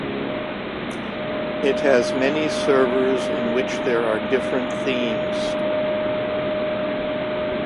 It has many servers in which there are different themes.